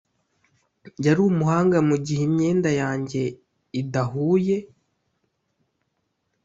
yari umuhanga mugihe imyenda yanjye idahuye.